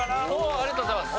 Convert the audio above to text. ありがとうございます。